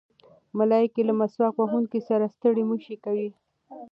ملایکې له مسواک وهونکي سره ستړې مه شي کوي.